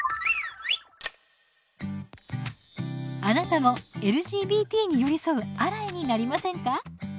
あなたもＬＧＢＴに寄り添うアライになりませんか？